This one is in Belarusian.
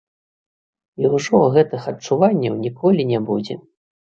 І ўжо гэтых адчуванняў ніколі не будзе.